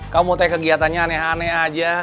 kamu teh kegiatannya aneh aneh aja